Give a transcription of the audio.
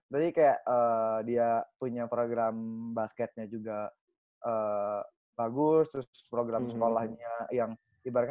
jadi kayak dia punya program basketnya juga bagus terus program sekolahnya yang ibar ibarkan